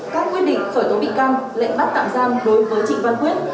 các quyết định khởi tố bị can lệnh bắt tạm giam đối với trịnh văn quyết